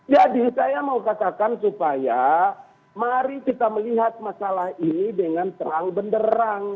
jadi saya mau katakan supaya menjadi kita melihat masalah eingina dengan terang benderang